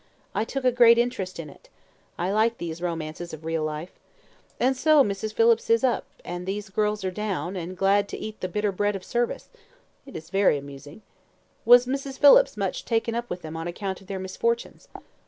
"I took a great interest in it. I like these romances of real life. And so, Mrs. Phillips is up, and these girls are down, and glad to eat the bitter bread of service. It is very amusing. Was Mrs. Phillips much taken up with them on account of their misfortunes?"